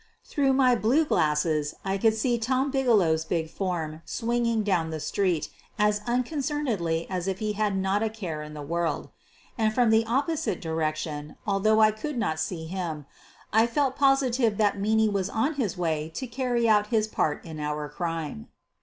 Through my blue glasses I could see Tom Bige low's big form swinging down the street as uncon cernedly as if he had not a care in the world. And from the opposite direction, although I could not see him, I felt positive that Meaney was on his way to carry out his part in our crime.